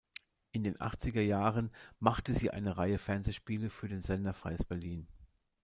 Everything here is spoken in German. In den achtziger Jahren machte sie eine Reihe Fernsehspiele für den Sender Freies Berlin.